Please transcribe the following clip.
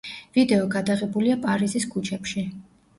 ვიდეო გადაღებულია პარიზის ქუჩებში.